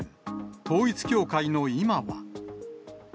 統一教会の今は。